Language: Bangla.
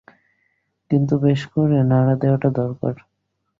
কিন্তু বেশ করে নাড়া দেওয়াটা দরকার।